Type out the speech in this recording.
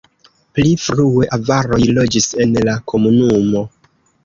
Pli frue avaroj loĝis en la komunumo.